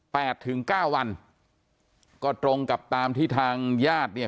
ถึงเก้าวันก็ตรงกับตามที่ทางญาติเนี่ย